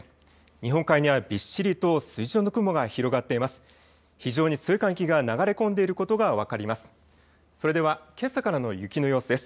日本海にはびっしりと筋状の雲が広がっています。